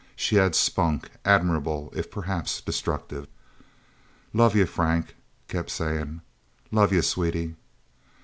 She had spunk admirable, if perhaps destructive. "Love yuh," Frank kept saying. "Love yuh, Sweetie..."